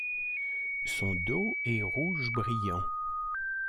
Son dos est rouge brillant.